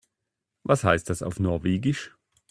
Was heißt das auf Norwegisch?